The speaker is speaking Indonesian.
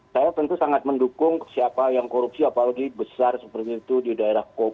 saya tentu sangat mendukung siapa yang korupsi apalagi besar seperti itu di daerah kopi